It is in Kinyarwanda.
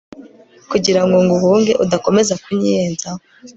kugira ngo nguhunge udakomeza kunyiyenzaho